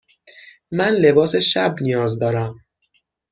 من لباس شب نیاز دارم.